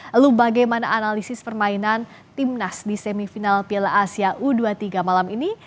lalu bagaimana analisis permainan timnas di semifinal piala asia u dua puluh tiga malam ini